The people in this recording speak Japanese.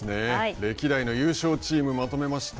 歴代の優勝チームをまとめました。